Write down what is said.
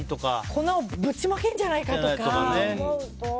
粉をぶちまけるんじゃないかとか。